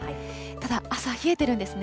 ただ、朝、冷えてるんですね。